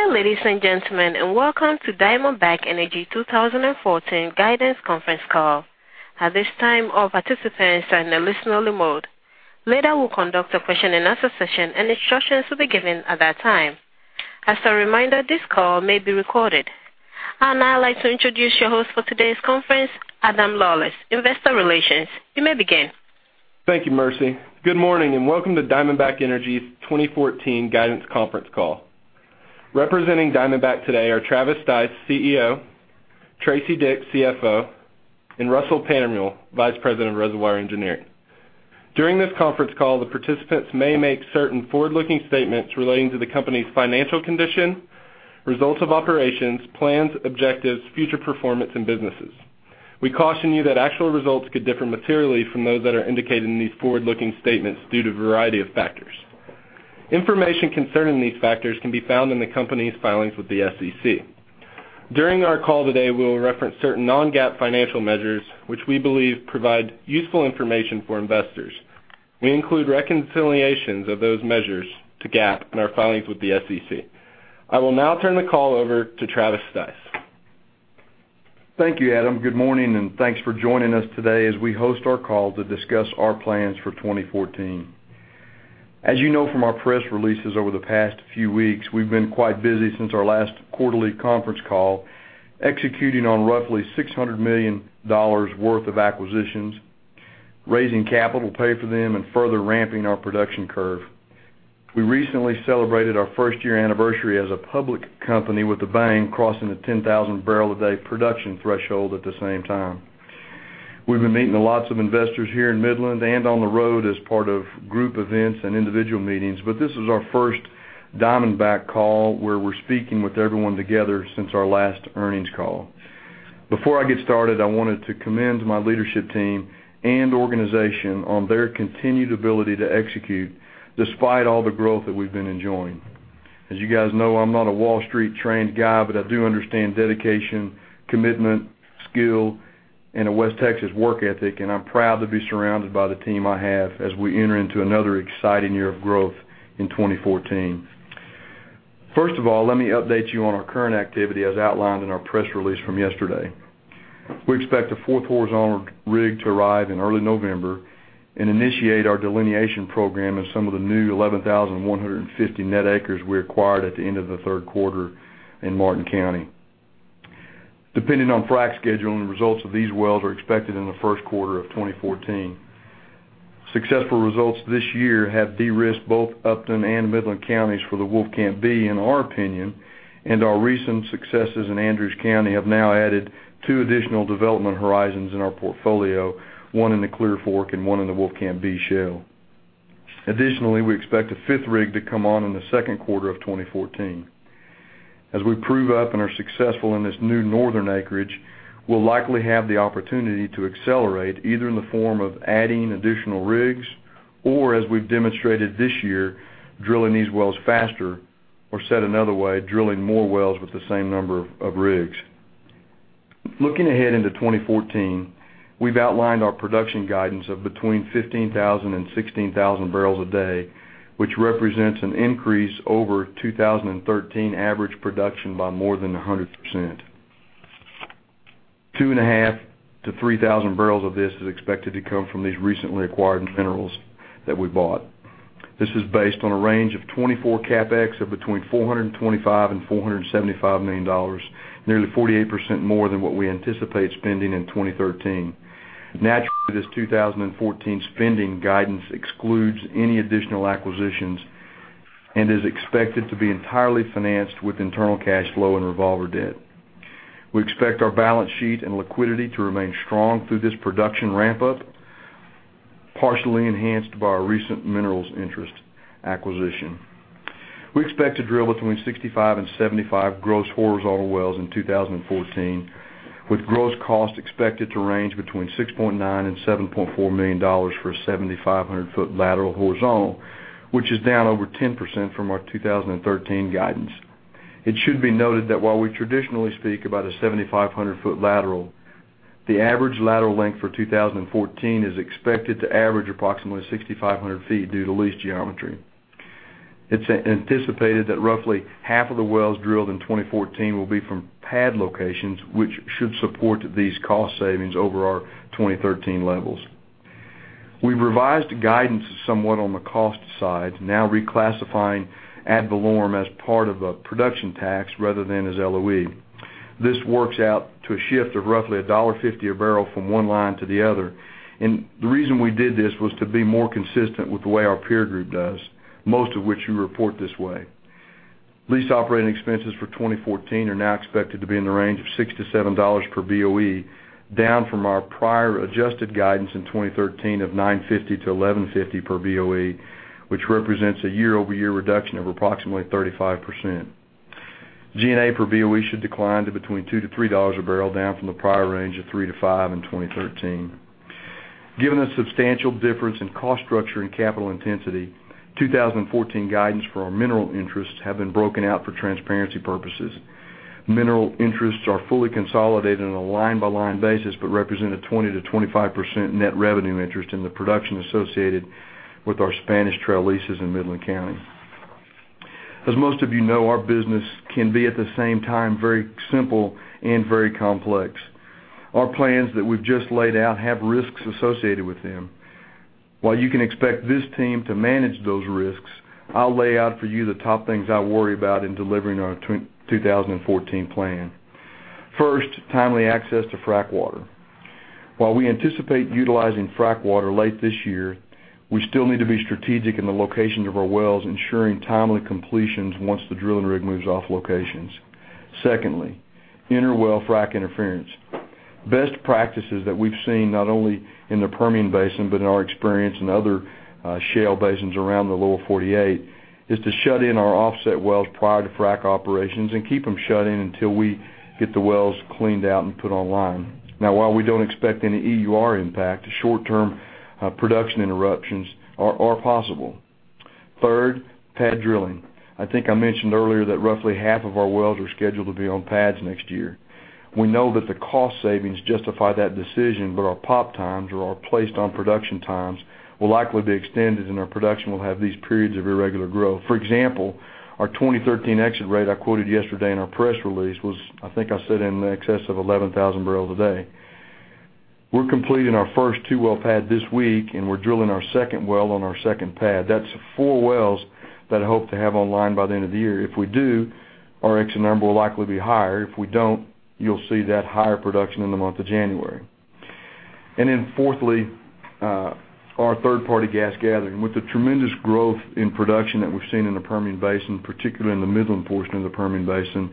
Good day, ladies and gentlemen, welcome to Diamondback Energy 2014 Guidance Conference Call. At this time, all participants are in the listening mode. Later, we'll conduct a question and answer session, and instructions will be given at that time. As a reminder, this call may be recorded. Now I'd like to introduce your host for today's conference, Adam Lawlis, Investor Relations. You may begin. Thank you, Mercy. Good morning, welcome to Diamondback Energy's 2014 Guidance Conference Call. Representing Diamondback today are Travis Stice, CEO; Tracy Dick, CFO; and Russell Pantermuehl, Vice President of Reservoir Engineering. During this conference call, the participants may make certain forward-looking statements relating to the company's financial condition, results of operations, plans, objectives, future performance, and businesses. We caution you that actual results could differ materially from those that are indicated in these forward-looking statements due to a variety of factors. Information concerning these factors can be found in the company's filings with the SEC. During our call today, we will reference certain non-GAAP financial measures, which we believe provide useful information for investors. We include reconciliations of those measures to GAAP in our filings with the SEC. I will now turn the call over to Travis Stice. Thank you, Adam. Good morning, thanks for joining us today as we host our call to discuss our plans for 2014. As you know from our press releases over the past few weeks, we've been quite busy since our last quarterly conference call, executing on roughly $600 million worth of acquisitions, raising capital to pay for them, and further ramping our production curve. We recently celebrated our first year anniversary as a public company with a bang, crossing the 10,000 barrel a day production threshold at the same time. We've been meeting with lots of investors here in Midland and on the road as part of group events and individual meetings, this is our first Diamondback call where we're speaking with everyone together since our last earnings call. Before I get started, I wanted to commend my leadership team and organization on their continued ability to execute despite all the growth that we've been enjoying. As you guys know, I'm not a Wall Street-trained guy, I do understand dedication, commitment, skill, and a West Texas work ethic, I'm proud to be surrounded by the team I have as we enter into another exciting year of growth in 2014. First of all, let me update you on our current activity as outlined in our press release from yesterday. We expect a fourth horizontal rig to arrive in early November and initiate our delineation program in some of the new 11,150 net acres we acquired at the end of the third quarter in Martin County. Depending on frack scheduling, results of these wells are expected in the first quarter of 2014. Successful results this year have de-risked both Upton and Midland counties for the Wolfcamp B, in our opinion. Our recent successes in Andrews County have now added 2 additional development horizons in our portfolio, one in the Clear Fork and one in the Wolfcamp B shale. Additionally, we expect a fifth rig to come on in the second quarter of 2014. As we prove up and are successful in this new northern acreage, we'll likely have the opportunity to accelerate, either in the form of adding additional rigs or, as we've demonstrated this year, drilling these wells faster. Said another way, drilling more wells with the same number of rigs. Looking ahead into 2014, we've outlined our production guidance of between 15,000 and 16,000 barrels a day, which represents an increase over 2013 average production by more than 100%. 2,500 to 3,000 barrels of this is expected to come from these recently acquired minerals that we bought. This is based on a range of 2024 CapEx of between $425 million and $475 million, nearly 48% more than what we anticipate spending in 2013. Naturally, this 2014 spending guidance excludes any additional acquisitions and is expected to be entirely financed with internal cash flow and revolver debt. We expect our balance sheet and liquidity to remain strong through this production ramp-up, partially enhanced by our recent minerals interest acquisition. We expect to drill between 65 and 75 gross horizontal wells in 2014, with gross costs expected to range between $6.9 million and $7.4 million for a 7,500-foot lateral horizontal, which is down over 10% from our 2013 guidance. It should be noted that while we traditionally speak about a 7,500-foot lateral, the average lateral length for 2014 is expected to average approximately 6,500 feet due to lease geometry. It's anticipated that roughly half of the wells drilled in 2014 will be from pad locations, which should support these cost savings over our 2013 levels. We've revised guidance somewhat on the cost side, now reclassifying ad valorem as part of a production tax rather than as LOE. This works out to a shift of roughly $1.50 a barrel from one line to the other. The reason we did this was to be more consistent with the way our peer group does, most of which who report this way. Lease operating expenses for 2014 are now expected to be in the range of $6 per BOE to $7 per BOE, down from our prior adjusted guidance in 2013 of $9.50 per BOE to $11.50 per BOE, which represents a year-over-year reduction of approximately 35%. G&A per BOE should decline to between $2 a barrel to $3 a barrel, down from the prior range of $3 a barrel to $5 a barrel in 2013. Given the substantial difference in cost structure and capital intensity, 2014 guidance for our mineral interests have been broken out for transparency purposes. Mineral interests are fully consolidated on a line-by-line basis but represent a 20% to 25% net revenue interest in the production associated with our Spanish Trail leases in Midland County. As most of you know, our business can be, at the same time, very simple and very complex. Our plans that we've just laid out have risks associated with them. While you can expect this team to manage those risks, I'll lay out for you the top things I worry about in delivering our 2014 plan. First, timely access to frack water. While we anticipate utilizing frack water late this year, we still need to be strategic in the location of our wells, ensuring timely completions once the drilling rig moves off locations. Secondly, interwell frack interference. Best practices that we've seen, not only in the Permian Basin, but in our experience in other shale basins around the Lower 48, is to shut in our offset wells prior to frack operations and keep them shut in until we get the wells cleaned out and put online. While we don't expect any EUR impact, short-term production interruptions are possible. Third, pad drilling. I think I mentioned earlier that roughly half of our wells are scheduled to be on pads next year. We know that the cost savings justify that decision, but our POP times, or our placed on production times, will likely be extended, and our production will have these periods of irregular growth. For example, our 2013 exit rate I quoted yesterday in our press release was, I think I said, in excess of 11,000 barrels a day. We're completing our first two-well pad this week, and we're drilling our second well on our second pad. That's four wells that I hope to have online by the end of the year. If we do, our exit number will likely be higher. If we don't, you'll see that higher production in the month of January. Fourthly, our third-party gas gathering. With the tremendous growth in production that we've seen in the Permian Basin, particularly in the Midland portion of the Permian Basin,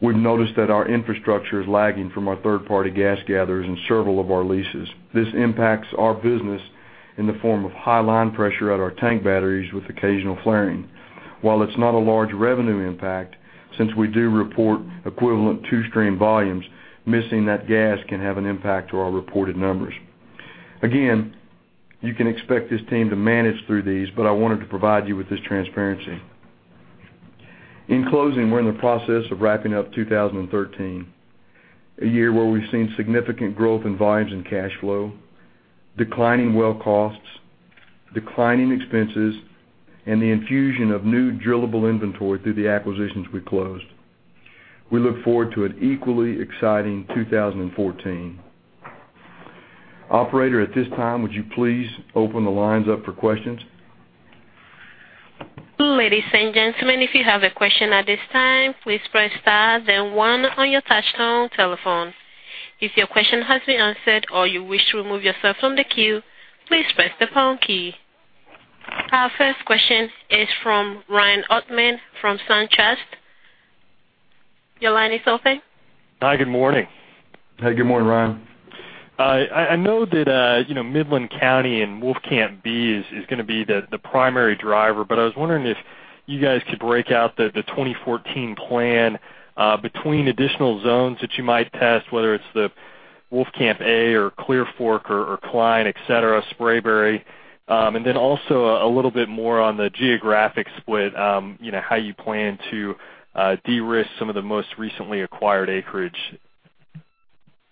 we've noticed that our infrastructure is lagging from our third-party gas gatherers in several of our leases. This impacts our business in the form of high line pressure at our tank batteries with occasional flaring. While it's not a large revenue impact, since we do report equivalent two-stream volumes, missing that gas can have an impact to our reported numbers. Again, you can expect this team to manage through these, I wanted to provide you with this transparency. In closing, we're in the process of wrapping up 2013, a year where we've seen significant growth in volumes and cash flow, declining well costs, declining expenses, and the infusion of new drillable inventory through the acquisitions we closed. We look forward to an equally exciting 2014. Operator, at this time, would you please open the lines up for questions? Ladies and gentlemen, if you have a question at this time, please press star then one on your touchtone telephone. If your question has been answered or you wish to remove yourself from the queue, please press the pound key. Our first question is from Ryan Oatman from SunTrust. Your line is open. Hi, good morning. Hey, good morning, Ryan. I know that Midland County and Wolfcamp B is going to be the primary driver, but I was wondering if you guys could break out the 2014 plan between additional zones that you might test, whether it's the Wolfcamp A or Clear Fork or Cline, et cetera, Spraberry. Then also a little bit more on the geographic split, how you plan to de-risk some of the most recently acquired acreage.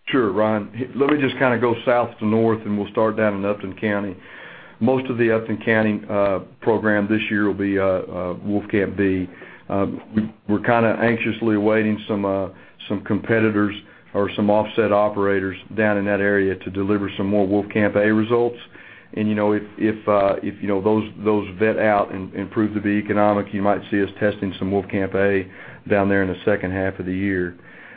Sure, Ryan. Let me just go south to north, and we'll start down in Upton County. Most of the Upton County program this year will be Wolfcamp B. We're anxiously awaiting some competitors or some offset operators down in that area to deliver some more Wolfcamp A results. If those vet out and prove to be economic, you might see us testing some Wolfcamp A down there in the second half of the year.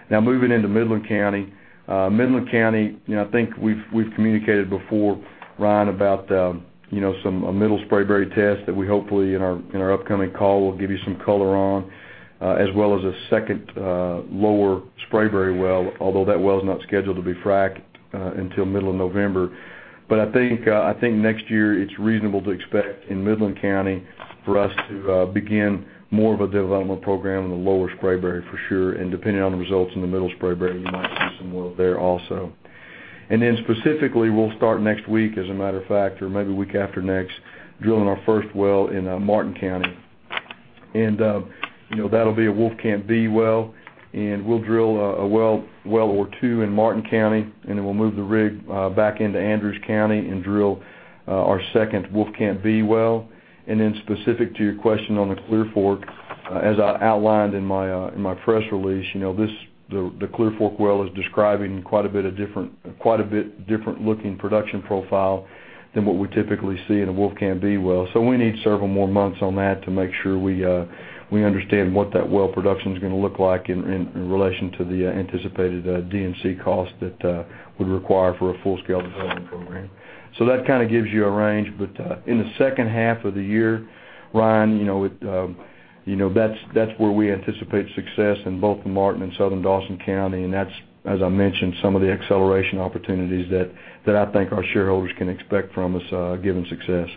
Moving into Midland County. Midland County, I think we've communicated before, Ryan, about a middle Spraberry test that we hopefully in our upcoming call will give you some color on, as well as a second lower Spraberry well, although that well is not scheduled to be fracked until middle of November. I think next year it's reasonable to expect in Midland County for us to begin more of a development program in the lower Spraberry, for sure. Depending on the results in the middle Spraberry, you might see some well there also. Specifically, we'll start next week, as a matter of fact, or maybe week after next, drilling our first well in Martin County. That'll be a Wolfcamp B well, and we'll drill a well or two in Martin County, and then we'll move the rig back into Andrews County and drill our second Wolfcamp B well. Specific to your question on the Clear Fork, as I outlined in my press release, the Clear Fork well is describing quite a bit different looking production profile than what we typically see in a Wolfcamp B well. We need several more months on that to make sure we understand what that well production's going to look like in relation to the anticipated D&C cost that we require for a full-scale development program. That gives you a range, but in the second half of the year, Ryan, that's where we anticipate success in both the Martin and Southern Dawson County, and that's, as I mentioned, some of the acceleration opportunities that I think our shareholders can expect from us given success.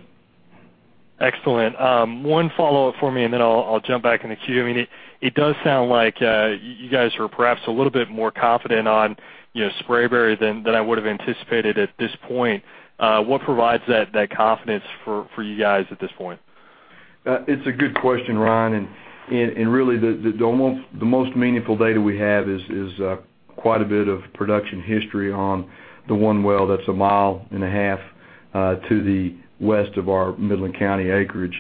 Excellent. One follow-up for me, then I'll jump back in the queue. It does sound like you guys are perhaps a little bit more confident on Spraberry than I would've anticipated at this point. What provides that confidence for you guys at this point? It's a good question, Ryan, really the most meaningful data we have is quite a bit of production history on the one well that's a mile and a half to the west of our Midland County acreage.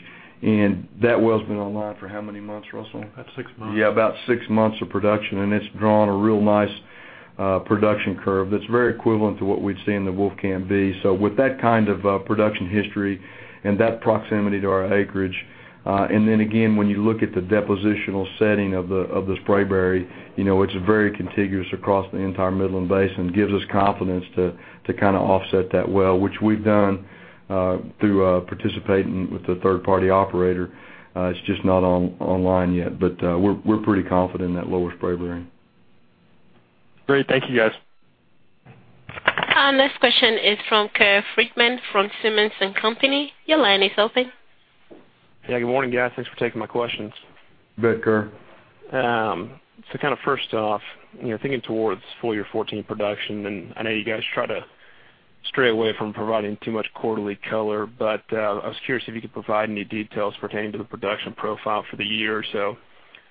That well's been online for how many months, Russell? About six months. Yeah, about six months of production, it's drawn a real nice production curve that's very equivalent to what we'd see in the Wolfcamp B. With that kind of production history and that proximity to our acreage, then again, when you look at the depositional setting of the Spraberry, it's very contiguous across the entire Midland Basin, gives us confidence to kind of offset that well, which we've done through participating with the third-party operator. It's just not online yet, we're pretty confident in that lower Spraberry. Great. Thank you guys. Our next question is from Pearce Hammond from Simmons & Company International. Your line is open. Yeah, good morning, guys. Thanks for taking my questions. You bet, Pearce. Kind of first off, thinking towards full year 2014 production, I know you guys try to stray away from providing too much quarterly color, I was curious if you could provide any details pertaining to the production profile for the year or so.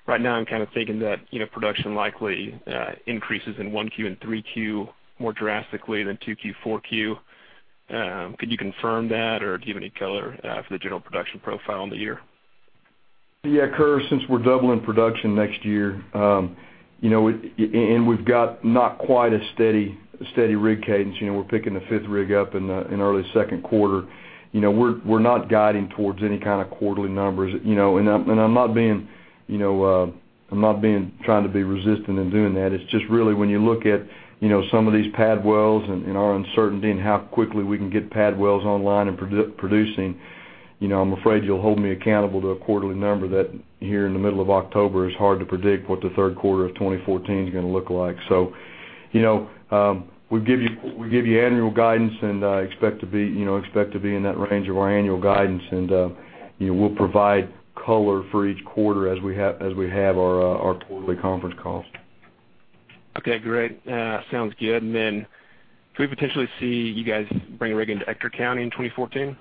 Right now, I'm kind of thinking that production likely increases in one Q and three Q more drastically than two Q, four Q. Could you confirm that or give any color for the general production profile in the year? Pearce, since we're doubling production next year, and we've got not quite a steady rig cadence, we're picking the fifth rig up in early second quarter. We're not guiding towards any kind of quarterly numbers, and I'm not trying to be resistant in doing that. It's just really when you look at some of these pad wells and our uncertainty and how quickly we can get pad wells online and producing, I'm afraid you'll hold me accountable to a quarterly number that here in the middle of October is hard to predict what the third quarter of 2014 is going to look like. We give you annual guidance and expect to be in that range of our annual guidance, and we'll provide color for each quarter as we have our quarterly conference calls. Okay, great. Sounds good. Could we potentially see you guys bring a rig into Ector County in 2014?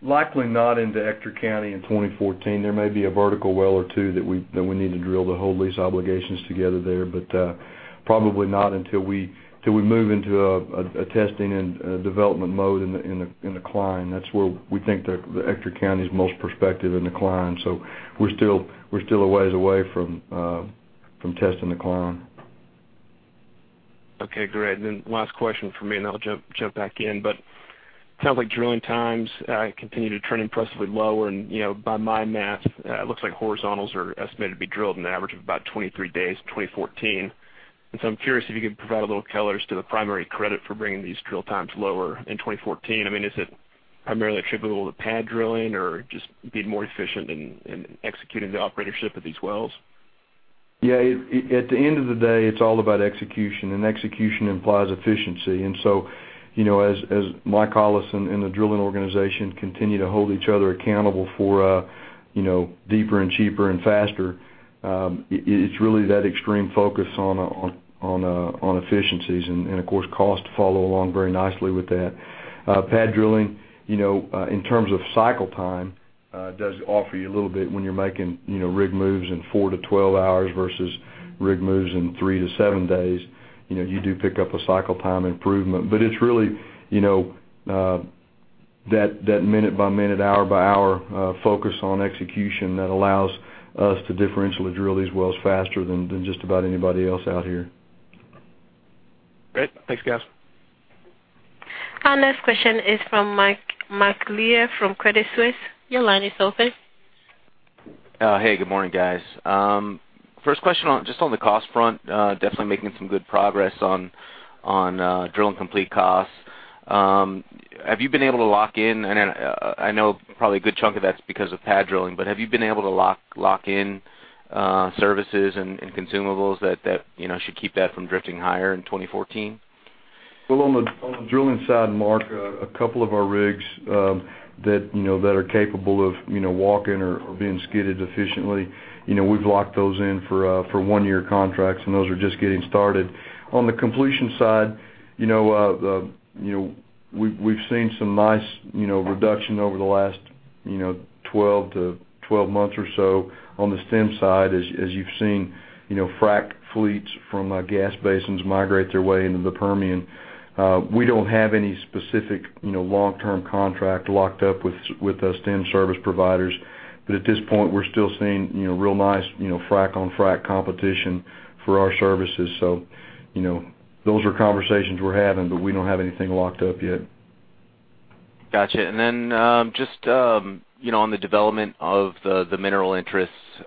Likely not into Ector County in 2014. There may be a vertical well or two that we need to drill to hold lease obligations together there, but probably not until we move into a testing and development mode in the Cline. That's where we think the Ector County's most prospective in the Cline. We're still a ways away from testing the Cline. Okay, great. Last question from me. I'll jump back in. Sounds like drilling times continue to trend impressively lower, and by my math, it looks like horizontals are estimated to be drilled in an average of about 23 days in 2014. I'm curious if you could provide a little color as to the primary credit for bringing these drill times lower in 2014. I mean, is it primarily attributable to pad drilling or just being more efficient in executing the operatorship of these wells? Yeah. At the end of the day, it's all about execution, and execution implies efficiency. As Michael Hollis and the drilling organization continue to hold each other accountable for deeper and cheaper and faster, it's really that extreme focus on efficiencies and, of course, cost follow along very nicely with that. Pad drilling, in terms of cycle time, does offer you a little bit when you're making rig moves in 4 to 12 hours versus rig moves in 3 to 7 days. You do pick up a cycle time improvement, it's really that minute-by-minute, hour-by-hour focus on execution that allows us to differentially drill these wells faster than just about anybody else out here. Great. Thanks, guys. Our next question is from Mark Lear from Credit Suisse. Your line is open. Hey, good morning, guys. First question just on the cost front, definitely making some good progress on drill and complete costs. I know probably a good chunk of that's because of pad drilling, but have you been able to lock in services and consumables that should keep that from drifting higher in 2014? Well, on the drilling side, Mark, a couple of our rigs that are capable of walking or being skidded efficiently, we've locked those in for one-year contracts, and those are just getting started. On the completion side, we've seen some nice reduction over the last 12 months or so on the sand side as you've seen frack fleets from gas basins migrate their way into the Permian. We don't have any specific long-term contract locked up with the sand service providers. At this point, we're still seeing real nice frack-on-frack competition for our services. Those are conversations we're having, but we don't have anything locked up yet. Got you. Just on the development of the mineral interests, with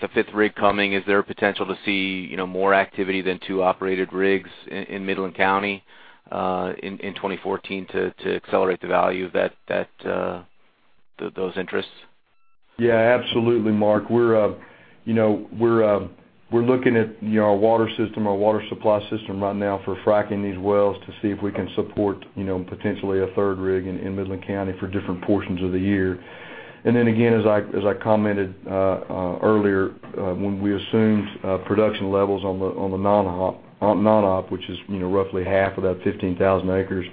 the fifth rig coming, is there a potential to see more activity than two operated rigs in Midland County in 2014 to accelerate the value of those interests? Yeah, absolutely, Mark. We're looking at our water system, our water supply system right now for fracking these wells to see if we can support potentially a third rig in Midland County for different portions of the year. Again, as I commented earlier, when we assumed production levels on the non-op, which is roughly half of that 15,000 acres,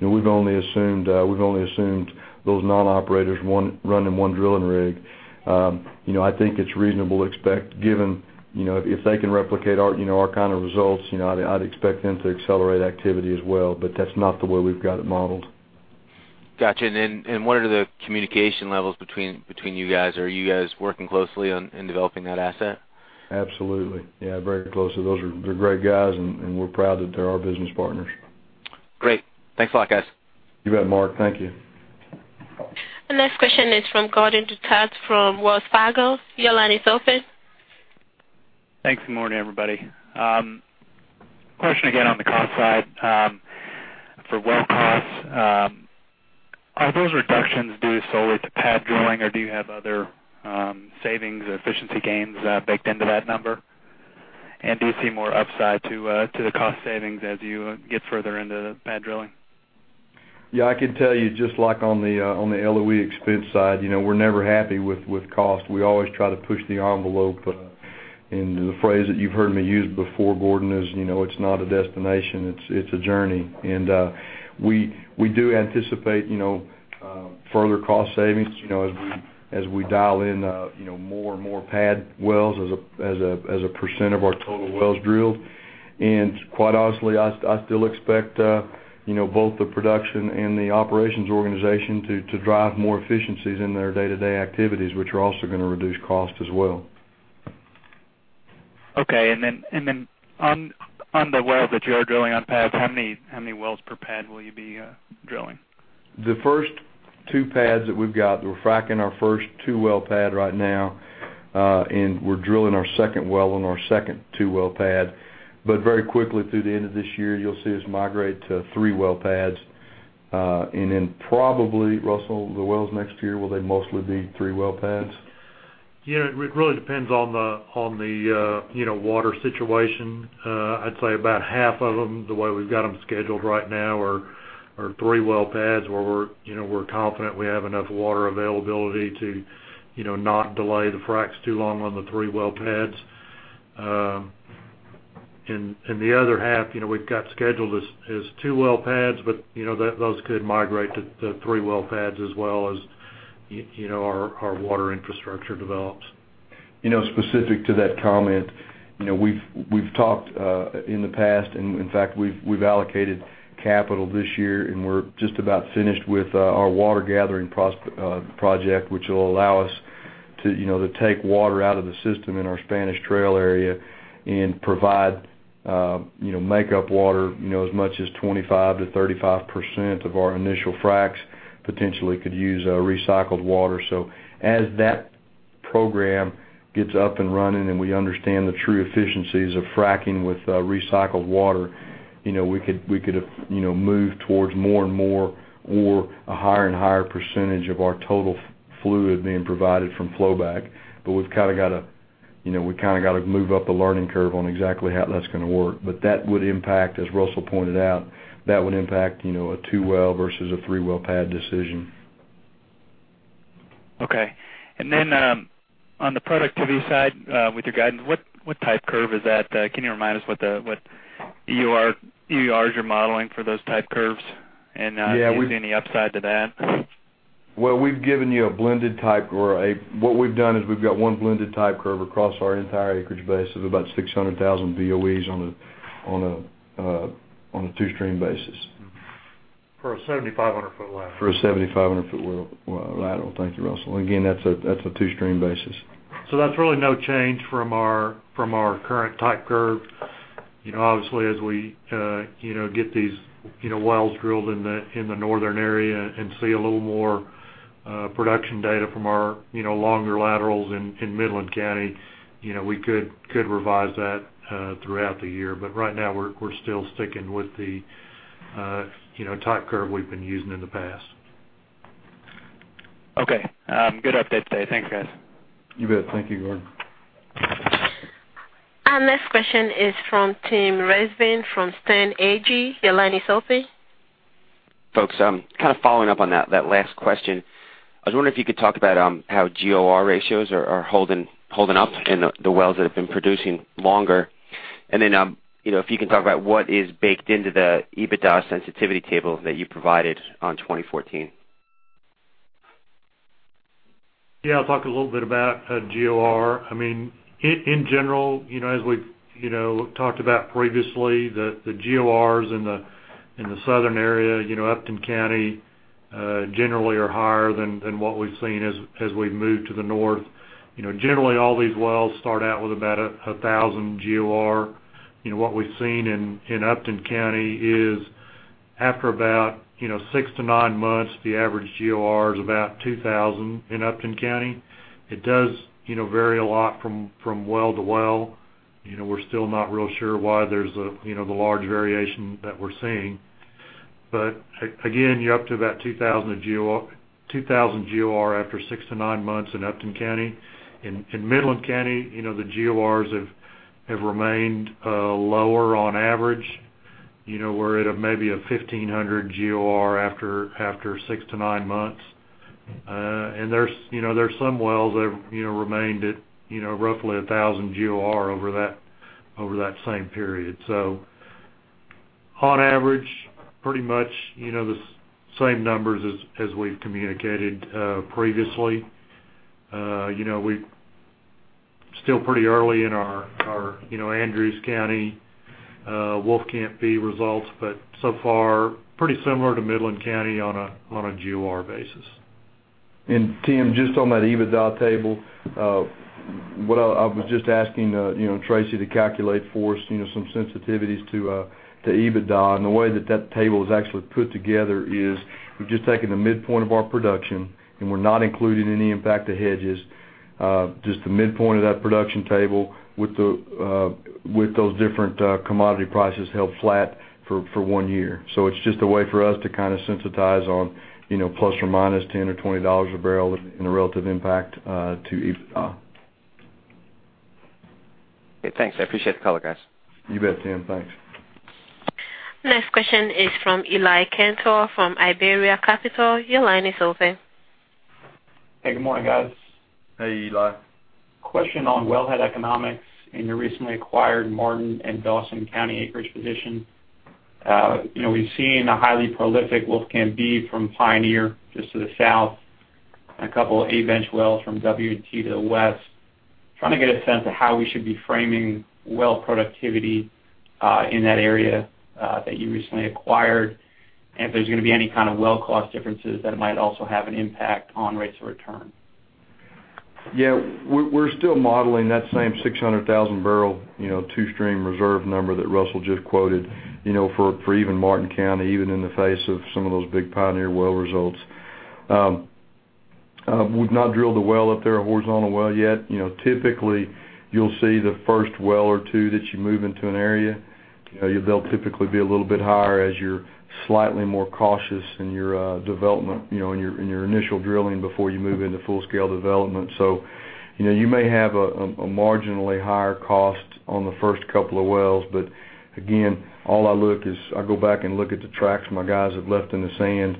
we've only assumed those non-operators running one drilling rig. I think it's reasonable to expect, given if they can replicate our kind of results, I'd expect them to accelerate activity as well, but that's not the way we've got it modeled. Got you. What are the communication levels between you guys? Are you guys working closely on developing that asset? Absolutely. Yeah, very closely. Those are great guys, and we're proud that they're our business partners. Great. Thanks a lot, guys. You bet, Mark. Thank you. The next question is from Gabe Daoud from Wells Fargo. Your line is open. Thanks. Good morning, everybody. Question again on the cost side. For well costs, are those reductions due solely to pad drilling, or do you have other savings or efficiency gains baked into that number? Do you see more upside to the cost savings as you get further into pad drilling? Yeah, I could tell you just like on the LOE expense side, we're never happy with cost. We always try to push the envelope, and the phrase that you've heard me use before, Gabe, is it's not a destination, it's a journey. We do anticipate further cost savings as we dial in more and more pad wells as a percent of our total wells drilled. Quite honestly, I still expect both the production and the operations organization to drive more efficiencies in their day-to-day activities, which are also going to reduce cost as well. On the wells that you are drilling on pads, how many wells per pad will you be drilling? The first two pads that we've got, we're fracking our first two-well pad right now, and we're drilling our second well on our second two-well pad. Very quickly through the end of this year, you'll see us migrate to three-well pads. Probably, Russell, the wells next year, will they mostly be three-well pads? Yeah, it really depends on the water situation. I'd say about half of them, the way we've got them scheduled right now, are three-well pads where we're confident we have enough water availability to not delay the fracs too long on the three-well pads. The other half we've got scheduled as two-well pads, but those could migrate to three-well pads as well as our water infrastructure develops. Specific to that comment, we've talked in the past, and in fact, we've allocated capital this year, and we're just about finished with our water gathering project, which will allow us to take water out of the system in our Spanish Trail area and provide makeup water. As much as 25%-35% of our initial fracs potentially could use recycled water. As that program gets up and running, and we understand the true efficiencies of fracking with recycled water, we could move towards more and more or a higher and higher percentage of our total fluid being provided from flow back. We've kind of got to move up the learning curve on exactly how that's going to work. That would impact, as Russell pointed out, that would impact a two-well versus a three-well pad decision. Okay. Then on the productivity side, with your guidance, what type curve is that? Can you remind us what EURs you're modeling for those type curves and is there any upside to that? Well, we've given you a blended type or what we've done is we've got 1 blended type curve across our entire acreage base of about 600,000 BOEs on a two-stream basis. For a 7,500 foot lateral. For a 7,500 foot lateral. Thank you, Russell. That's a two-stream basis. That's really no change from our current type curve. Obviously, as we get these wells drilled in the northern area and see a little more production data from our longer laterals in Midland County, we could revise that throughout the year. Right now, we're still sticking with the type curve we've been using in the past. Okay. Good update today. Thanks, guys. You bet. Thank you, Gabe. Our next question is from Tim Rezvan from Stifel. Your line is open. Folks, kind of following up on that last question, I was wondering if you could talk about how GOR ratios are holding up in the wells that have been producing longer. Then, if you can talk about what is baked into the EBITDA sensitivity table that you provided on 2014. Yeah, I'll talk a little bit about GOR. In general, as we've talked about previously, the GORs in the southern area, Upton County, generally are higher than what we've seen as we've moved to the north. Generally, all these wells start out with about 1,000 GOR. What we've seen in Upton County is after about 6 to 9 months, the average GOR is about 2,000 in Upton County. It does vary a lot from well to well. We're still not real sure why there's the large variation that we're seeing. Again, you're up to about 2,000 GOR after 6 to 9 months in Upton County. In Midland County, the GORs have remained lower on average. We're at maybe a 1,500 GOR after 6 to 9 months. There's some wells that remained at roughly 1,000 GOR over that same period. On average, pretty much the same numbers as we've communicated previously. We're still pretty early in our Andrews County Wolfcamp B results, but so far, pretty similar to Midland County on a GOR basis. Tim, just on that EBITDA table, what I was just asking Tracy to calculate for us some sensitivities to EBITDA. The way that table is actually put together is we've just taken the midpoint of our production, and we're not including any impact to hedges. Just the midpoint of that production table with those different commodity prices held flat for one year. It's just a way for us to sensitize on plus or minus $10 or $20 a barrel and the relative impact to EBITDA. Okay, thanks. I appreciate the color, guys. You bet, Tim. Thanks. Next question is from Eli Kantor from IBERIA Capital. Your line is open. Hey, good morning, guys. Hey, Eli. Question on wellhead economics in your recently acquired Martin and Dawson County acreage position. We've seen a highly prolific Wolfcamp B from Pioneer just to the south, and a couple of A bench wells from W&T Offshore to the west. Trying to get a sense of how we should be framing well productivity in that area that you recently acquired, and if there's going to be any kind of well cost differences that might also have an impact on rates of return. Yeah. We're still modeling that same 600,000 barrel, two-stream reserve number that Russell just quoted, for even Martin County, even in the face of some of those big Pioneer well results. We've not drilled a well up there, a horizontal well yet. Typically, you'll see the first well or two that you move into an area, they'll typically be a little bit higher as you're slightly more cautious in your development, in your initial drilling before you move into full-scale development. You may have a marginally higher cost on the first couple of wells, but again, all I look is, I go back and look at the tracks my guys have left in the sand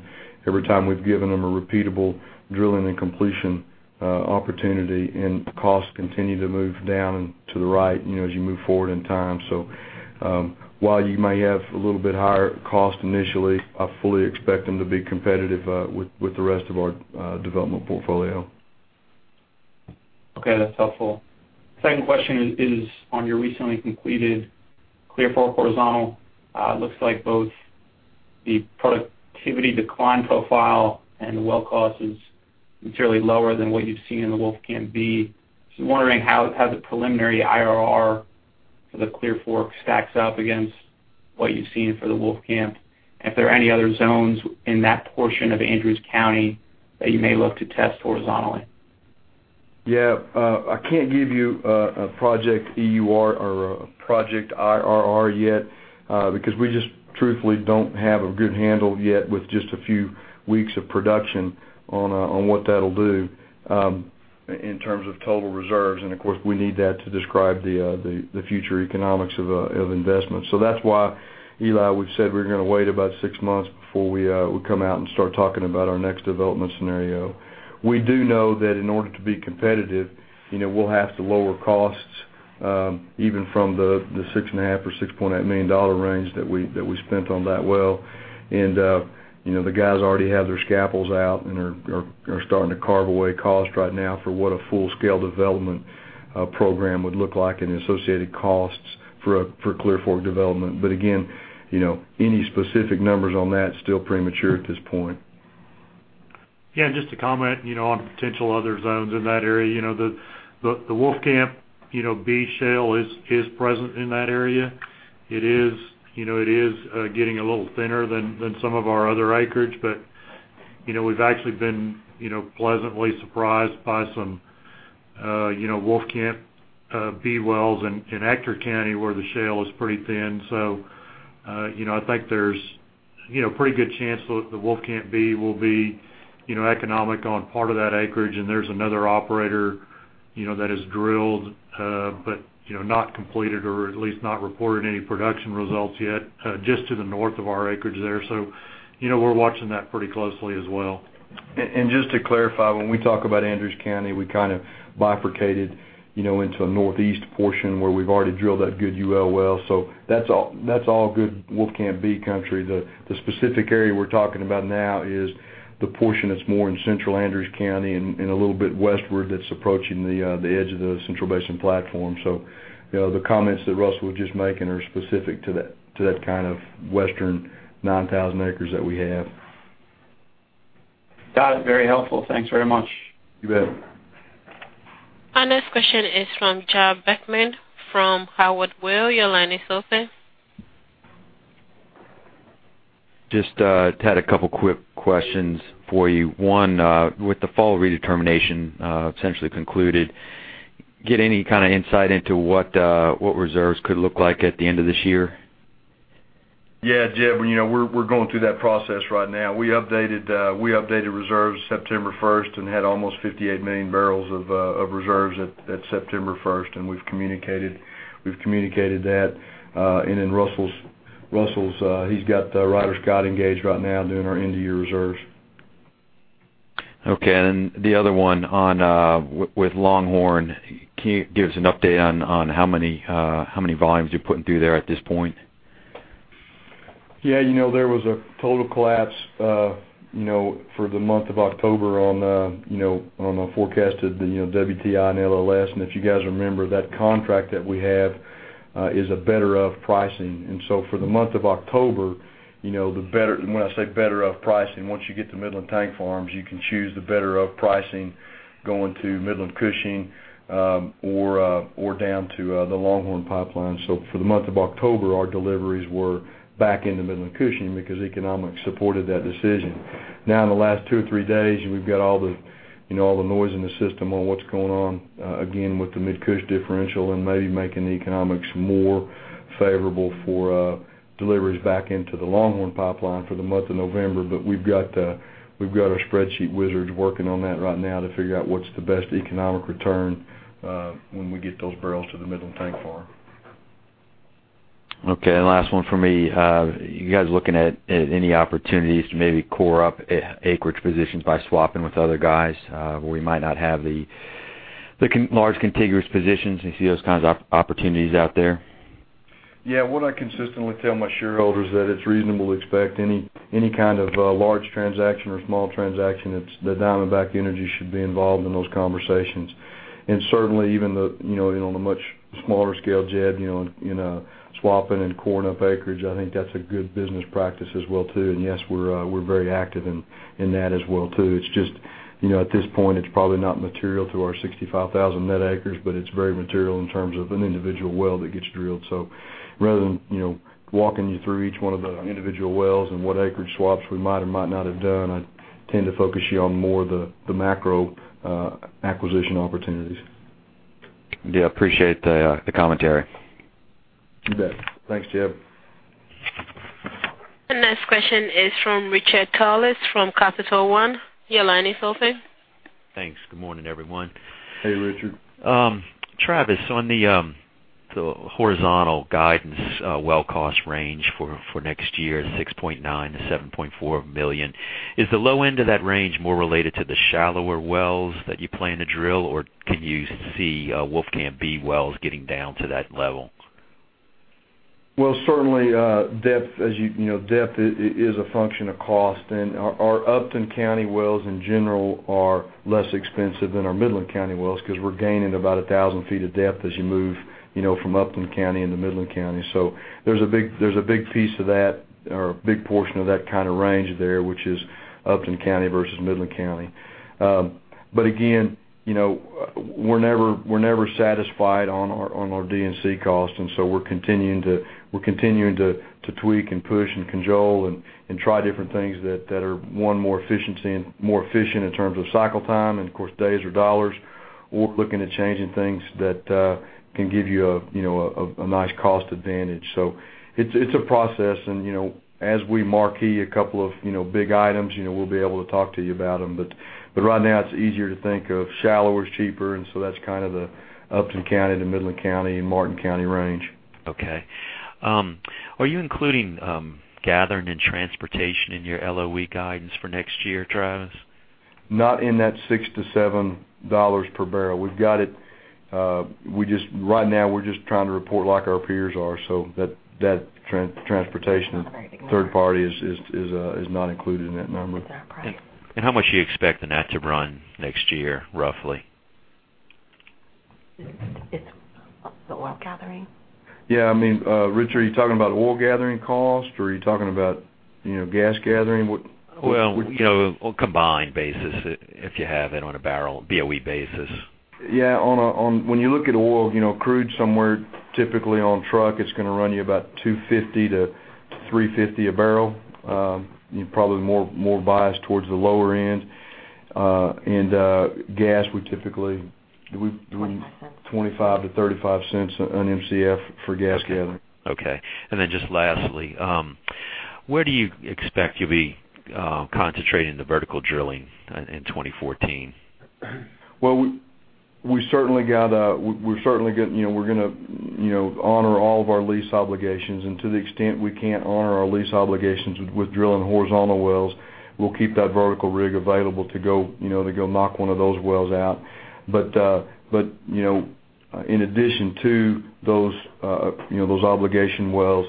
every time we've given them a repeatable drilling and completion opportunity, and costs continue to move down and to the right as you move forward in time. While you may have a little bit higher cost initially, I fully expect them to be competitive with the rest of our development portfolio. Okay. That's helpful. Second question is on your recently completed Clear Fork horizontal. Looks like both the productivity decline profile and the well cost is materially lower than what you've seen in the Wolfcamp B. Just wondering how the preliminary IRR for the Clear Fork stacks up against what you've seen for the Wolfcamp, and if there are any other zones in that portion of Andrews County that you may look to test horizontally. Yeah. I can't give you a project EUR or a project IRR yet, because we just truthfully don't have a good handle yet with just a few weeks of production on what that'll do in terms of total reserves. Of course, we need that to describe the future economics of investment. That's why, Eli, we've said we're going to wait about six months before we come out and start talking about our next development scenario. We do know that in order to be competitive, we'll have to lower costs, even from the $6.5 million or $6.8 million range that we spent on that well. The guys already have their scalpels out and are starting to carve away cost right now for what a full-scale development program would look like and associated costs for Clear Fork development. Again, any specific numbers on that, still premature at this point. Yeah, just to comment on potential other zones in that area. The Wolfcamp B shale is present in that area. It is getting a little thinner than some of our other acreage, but we've actually been pleasantly surprised by some Wolfcamp B wells in Ector County where the shale is pretty thin. I think there's a pretty good chance the Wolfcamp B will be economic on part of that acreage. There's another operator that has drilled but not completed or at least not reported any production results yet just to the north of our acreage there. We're watching that pretty closely as well. Just to clarify, when we talk about Andrews County, we kind of bifurcated into a northeast portion where we've already drilled that Goodwell well. That's all good Wolfcamp B country. The specific area we're talking about now is the portion that's more in central Andrews County and a little bit westward that's approaching the edge of the Central Basin Platform. The comments that Russell was just making are specific to that kind of western 9,000 acres that we have. Got it. Very helpful. Thanks very much. You bet. Our next question is from Jeb Bachmann from Howard Weil. Your line is open. Just had a couple quick questions for you. One, with the fall redetermination essentially concluded, get any kind of insight into what reserves could look like at the end of this year? Yeah, Jeb, we're going through that process right now. We updated reserves September 1st and had almost 58 million barrels of reserves at September 1st, we've communicated that. Russell, he's got Ryder Scott engaged right now doing our end-of-year reserves. Okay. The other one, with Longhorn, can you give us an update on how many volumes you're putting through there at this point? Yeah. There was a total collapse for the month of October on the forecasted WTI and LLS. If you guys remember, that contract that we have is a better of pricing. For the month of October, when I say better of pricing, once you get to Midland tank farms, you can choose the better of pricing going to Midland-Cushing, or down to the Longhorn Pipeline. For the month of October, our deliveries were back into Midland-Cushing because economics supported that decision. In the last two or three days, we've got all the noise in the system on what's going on again with the MidCush differential and maybe making the economics more favorable for deliveries back into the Longhorn Pipeline for the month of November. We've got our spreadsheet wizards working on that right now to figure out what's the best economic return when we get those barrels to the Midland tank farm. Okay, last one from me. Are you guys looking at any opportunities to maybe core up acreage positions by swapping with other guys where we might not have the large contiguous positions and see those kinds of opportunities out there? Yeah. What I consistently tell my shareholders that it's reasonable to expect any kind of large transaction or small transaction, that Diamondback Energy should be involved in those conversations. Certainly even on a much smaller scale, Jeb, swapping and coring up acreage, I think that's a good business practice as well, too. Yes, we're very active in that as well, too. It's just, at this point, it's probably not material to our 65,000 net acres, but it's very material in terms of an individual well that gets drilled. Rather than walking you through each one of the individual wells and what acreage swaps we might or might not have done, I tend to focus you on more the macro acquisition opportunities. Yeah, appreciate the commentary. You bet. Thanks, Jeb. The next question is from Richard Tullis from Capital One. Your line is open. Thanks. Good morning, everyone. Hey, Richard. Travis, on the horizontal guidance well cost range for next year, $6.9 million-$7.4 million, is the low end of that range more related to the shallower wells that you plan to drill, or can you see Wolfcamp B wells getting down to that level? Certainly, depth is a function of cost, and our Upton County wells in general are less expensive than our Midland County wells because we're gaining about 1,000 feet of depth as you move from Upton County into Midland County. There's a big piece of that or a big portion of that kind of range there, which is Upton County versus Midland County. Again, we're never satisfied on our D&C costs, we're continuing to tweak and push and congeal and try different things that are, one, more efficient in terms of cycle time, and of course, days or dollars. We're looking at changing things that can give you a nice cost advantage. It's a process, as we marquee a couple of big items, we'll be able to talk to you about them. Right now, it's easier to think of shallower is cheaper, that's kind of the Upton County to Midland County and Martin County range. Okay. Are you including gathering and transportation in your LOE guidance for next year, Travis? Not in that $6-$7 per barrel. Right now, we're just trying to report like our peers are, that transportation third party is not included in that number. How much are you expecting that to run next year, roughly? It's the oil gathering. Yeah. Richard, are you talking about oil gathering cost, or are you talking about gas gathering? Well, combined basis, if you have it on a barrel BOE basis. Yeah. When you look at oil, crude somewhere typically on truck, it's going to run you about $250 to $350 a barrel. Probably more biased towards the lower end. gas. $0.25 $0.25 to $0.35 an Mcf for gas gathering. Okay. Just lastly, where do you expect you'll be concentrating the vertical drilling in 2014? Well, we're going to honor all of our lease obligations, to the extent we can't honor our lease obligations with drilling horizontal wells, we'll keep that vertical rig available to go knock one of those wells out. In addition to those obligation wells,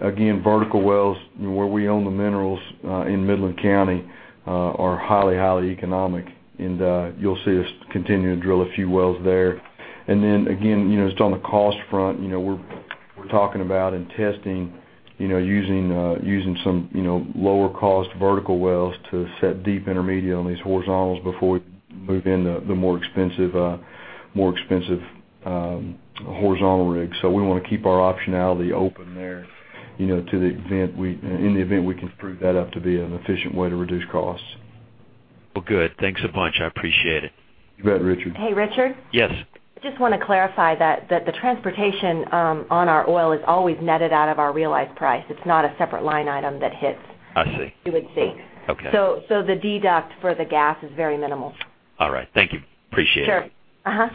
again, vertical wells where we own the minerals in Midland County are highly economic, and you'll see us continue to drill a few wells there. Again, just on the cost front, we're talking about and testing using some lower cost vertical wells to set deep intermediate on these horizontals before we move into the more expensive horizontal rigs. We want to keep our optionality open there in the event we can prove that up to be an efficient way to reduce costs. Well, good. Thanks a bunch. I appreciate it. You bet, Richard. Hey, Richard? Yes. Just want to clarify that the transportation on our oil is always netted out of our realized price. It's not a separate line item that hits. I see. You would see. Okay. The deduct for the gas is very minimal. All right. Thank you. Appreciate it. Sure. Uh-huh.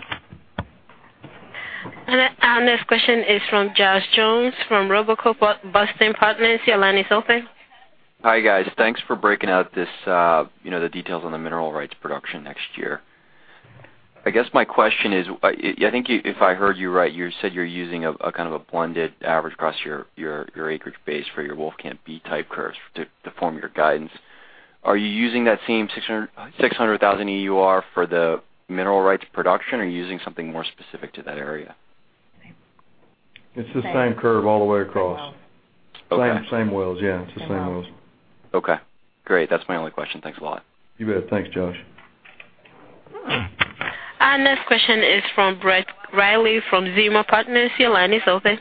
Our next question is from Josh Jones from Robeco Boston Partners. Your line is open. Hi, guys. Thanks for breaking out the details on the mineral rights production next year. I guess my question is, I think if I heard you right, you said you're using a blended average across your acreage base for your Wolfcamp B type curves to form your guidance. Are you using that same 600,000 EUR for the mineral rights production, or are you using something more specific to that area? It's the same curve all the way across. Same wells. Okay. Same wells, yeah. It's the same wells. Okay, great. That's my only question. Thanks a lot. You bet. Thanks, Josh. Our next question is from Brett Riley from Zimmer Partners. Your line is open.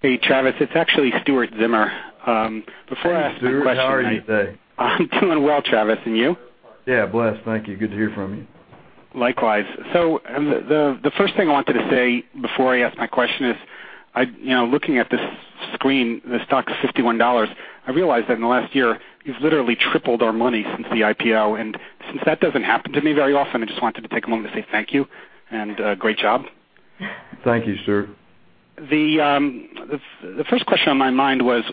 Hey, Travis. It's actually Stuart Zimmer. Before I ask my question. Hey Stuart, how are you today? I'm doing well, Travis, and you? Yeah, blessed. Thank you. Good to hear from you. Likewise. The first thing I wanted to say before I ask my question is, looking at this screen, the stock's $51. I realize that in the last year, you've literally tripled our money since the IPO, and since that doesn't happen to me very often, I just wanted to take a moment to say thank you and great job. Thank you, Stuart. The first question on my mind was,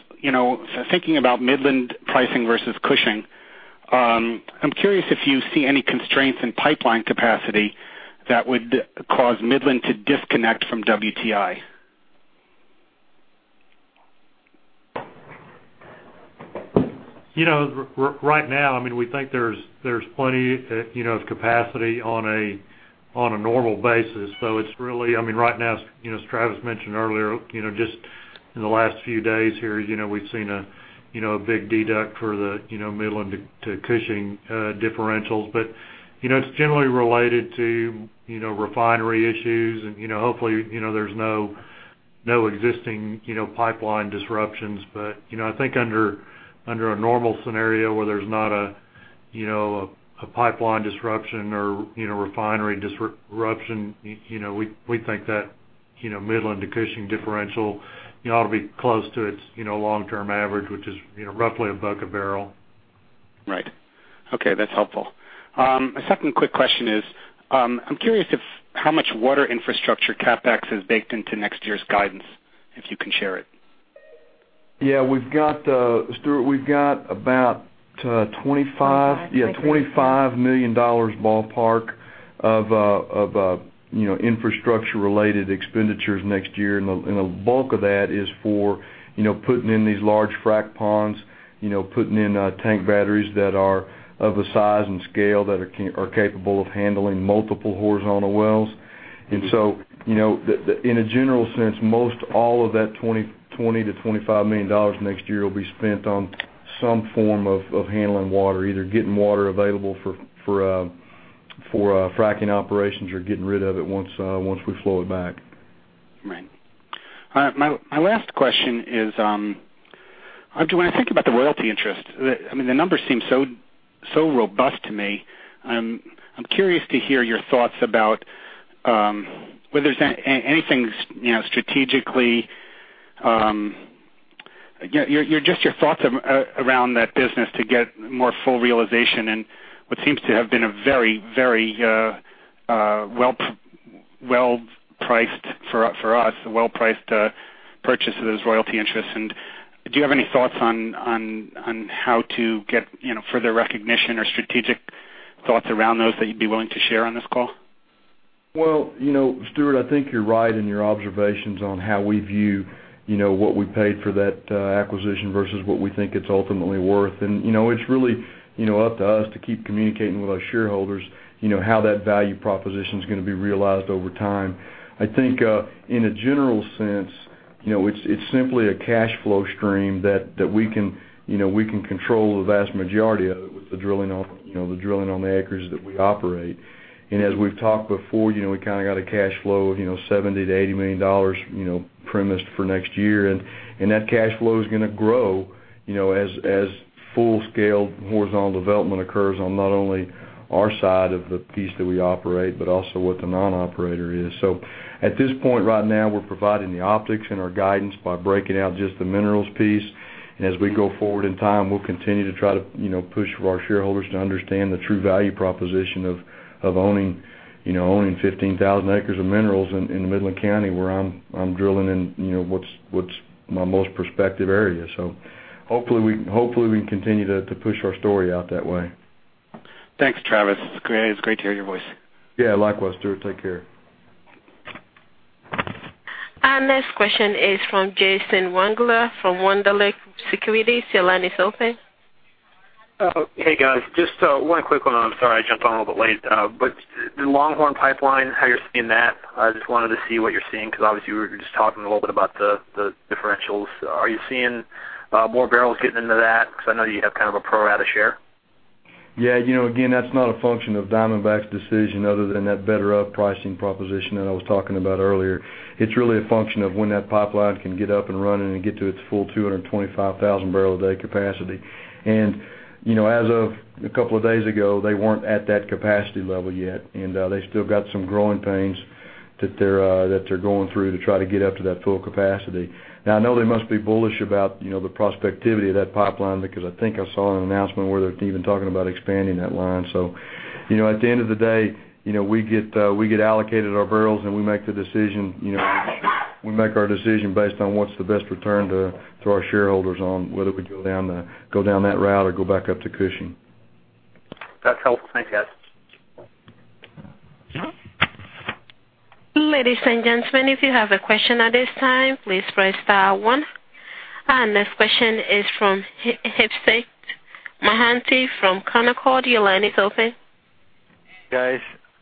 thinking about Midland pricing versus Cushing, I'm curious if you see any constraints in pipeline capacity that would cause Midland to disconnect from WTI. Right now, we think there's plenty of capacity on a normal basis. Right now, as Travis mentioned earlier, just in the last few days here, we've seen a big deduct for the Midland to Cushing differentials. It's generally related to refinery issues and hopefully, there's no existing pipeline disruptions. I think under a normal scenario where there's not a pipeline disruption or refinery disruption, we think that Midland to Cushing differential ought to be close to its long-term average, which is roughly a buck a barrel. Right. Okay, that's helpful. My second quick question is, I'm curious how much water infrastructure CapEx is baked into next year's guidance, if you can share it. Yeah, Stuart, we've got about $25 million ballpark of infrastructure-related expenditures next year. The bulk of that is for putting in these large frack ponds, putting in tank batteries that are of a size and scale that are capable of handling multiple horizontal wells. In a general sense, most all of that $20 million-$25 million next year will be spent on some form of handling water, either getting water available for fracking operations or getting rid of it once we flow it back. Right. My last question is, when I think about the royalty interest, the numbers seem so robust to me. I'm curious to hear your thoughts about whether there's anything strategically, just your thoughts around that business to get more full realization in what seems to have been a very well-priced, for us, well-priced purchase of those royalty interests. Do you have any thoughts on how to get further recognition or strategic thoughts around those that you'd be willing to share on this call? Well, Stuart, I think you're right in your observations on how we view what we paid for that acquisition versus what we think it's ultimately worth. It's really up to us to keep communicating with our shareholders how that value proposition's going to be realized over time. I think, in a general sense, it's simply a cash flow stream that we can control the vast majority of it with the drilling on the acres that we operate. As we've talked before, we got a cash flow of $70 million-$80 million premised for next year. That cash flow is going to grow as full-scale horizontal development occurs on not only our side of the piece that we operate, but also what the non-operator is. At this point right now, we're providing the optics and our guidance by breaking out just the minerals piece, and as we go forward in time, we'll continue to try to push for our shareholders to understand the true value proposition of owning 15,000 acres of minerals in Midland County, where I'm drilling in what's my most prospective area. Hopefully we can continue to push our story out that way. Thanks, Travis. It's great to hear your voice. Yeah, likewise, Stuart. Take care. Our next question is from Jason Wangler from Wunderlich Securities. Your line is open. Hey, guys. Just one quick one. I'm sorry I jumped on a little bit late. The Longhorn Pipeline, how you're seeing that, I just wanted to see what you're seeing, because obviously you were just talking a little bit about the differentials. Are you seeing more barrels getting into that? Because I know you have a pro rata share. Yeah. Again, that's not a function of Diamondback's decision other than that better up pricing proposition that I was talking about earlier. It's really a function of when that pipeline can get up and running and get to its full 225,000 barrel a day capacity. As of a couple of days ago, they weren't at that capacity level yet, and they still got some growing pains that they're going through to try to get up to that full capacity. I know they must be bullish about the prospectivity of that pipeline because I think I saw an announcement where they're even talking about expanding that line. At the end of the day, we get allocated our barrels, and we make our decision based on what's the best return to our shareholders on whether we go down that route or go back up to Cushing. That's helpful. Thanks, guys. Ladies and gentlemen, if you have a question at this time, please press star one. Our next question is from Ipsita Mohanty from Concord. Your line is open. Guys,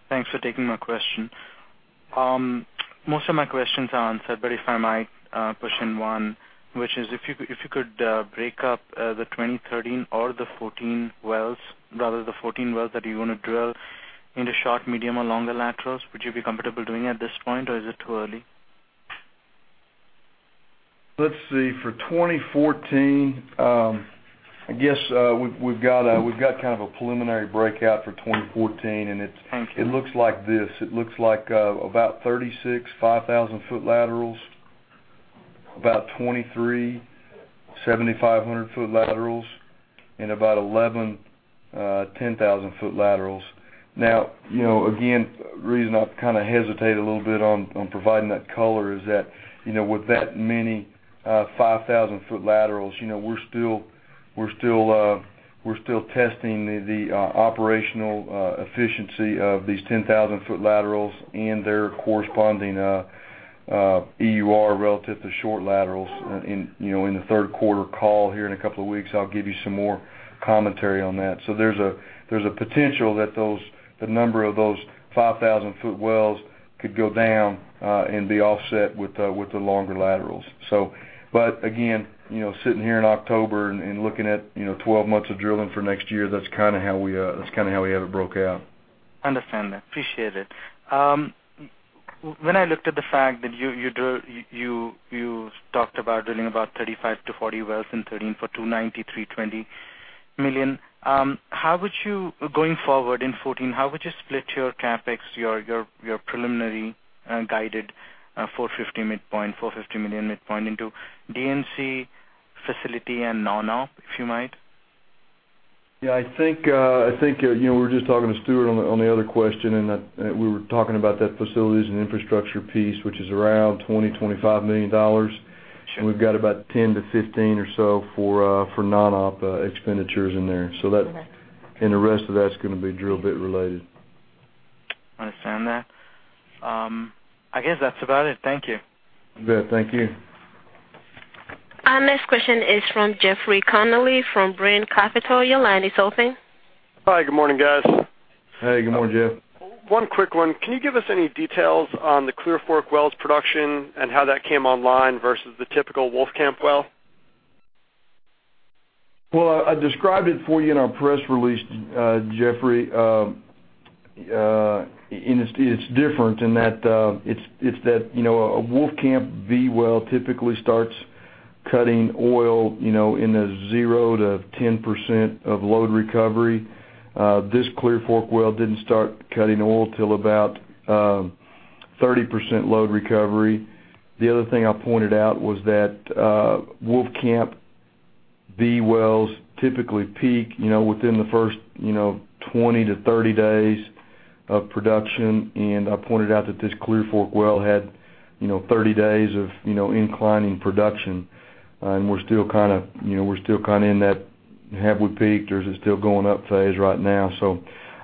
thanks for taking my question. Most of my questions are answered, but if I might push in one, which is, if you could break up the 2013 or the 2014 wells, rather the 14 wells that you want to drill into short, medium, or longer laterals, would you be comfortable doing it at this point, or is it too early? Let's see. For 2014, I guess we've got a preliminary breakout for 2014. It looks like about 36 5,000-foot laterals, about 23 7,500-foot laterals, and about 11 10,000-foot laterals. Again, the reason I hesitate a little bit on providing that color is that with that many 5,000-foot laterals, we're still testing the operational efficiency of these 10,000-foot laterals and their corresponding EUR relative to short laterals. In the third quarter call here in a couple of weeks, I'll give you some more commentary on that. There's a potential that the number of those 5,000-foot wells could go down and be offset with the longer laterals. Again, sitting here in October and looking at 12 months of drilling for next year, that's how we have it broke out. Understand that. Appreciate it. When I looked at the fact that you talked about drilling about 35 to 40 wells in 2013 for $290 million-$320 million. Going forward in 2014, how would you split your CapEx, your preliminary guided $450 million midpoint into D&C facility and non-op, if you might? Yeah, I think we were just talking to Stuart on the other question. We were talking about that facilities and infrastructure piece, which is around $20 million-$25 million. Sure. We've got about 10 to 15 or so for non-op expenditures in there. Okay. The rest of that's going to be drill bit related. Understand that. I guess that's about it. Thank you. You bet. Thank you. Our next question is from Jeffrey Connelly from Brine Capital. Your line is open. Hi. Good morning, guys. Hey, good morning, Jeff. One quick one. Can you give us any details on the Clear Fork wells production and how that came online versus the typical Wolfcamp well? Well, I described it for you in our press release, Jeffrey. It's different in that a Wolfcamp B well typically starts cutting oil in the 0%-10% of load recovery. This Clear Fork well didn't start cutting oil till about 30% load recovery. The other thing I pointed out was that Wolfcamp B wells typically peak within the first 20-30 days of production, and I pointed out that this Clear Fork well had 30 days of inclining production. We're still in that "have we peaked, or is it still going up?" phase right now.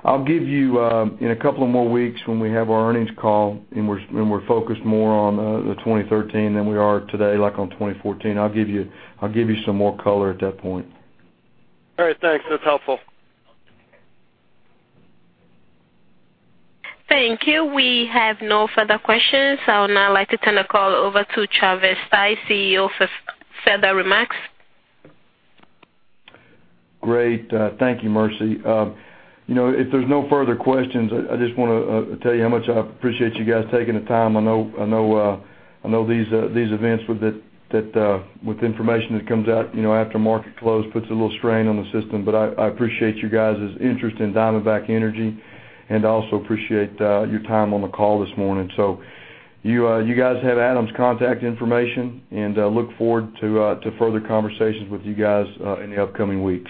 I'll give you in a couple of more weeks when we have our earnings call, and we're focused more on the 2013 than we are today like on 2014. I'll give you some more color at that point. All right, thanks. That's helpful. Thank you. We have no further questions. I would now like to turn the call over to Travis Stice, CEO, for further remarks. Great. Thank you, Mercy. If there's no further questions, I just want to tell you how much I appreciate you guys taking the time. I know these events with information that comes out after market close puts a little strain on the system, but I appreciate you guys' interest in Diamondback Energy and also appreciate your time on the call this morning. You guys have Adam's contact information, and I look forward to further conversations with you guys in the upcoming weeks.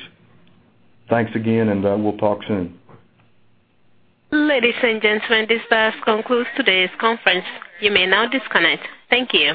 Thanks again, and we'll talk soon. Ladies and gentlemen, this does conclude today's conference. You may now disconnect. Thank you.